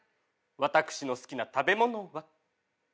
私の好きな食べ物は。